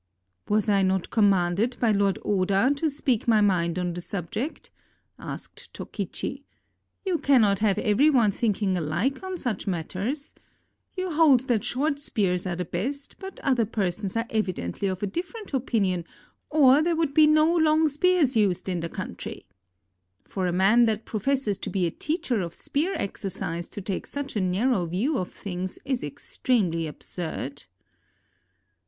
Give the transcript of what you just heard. "Was I not commanded by Lord Oda to speak my mind on the subject?" asked Tokichi. "You cannot have every one thinking alike on such matters. You hold that short spears are the best, but other persons are evidently of a different opinion or there would be no long spears used in the country. For a man that pro fesses to be a teacher of spear exercise to take such a narrow view of things is extremely absurd."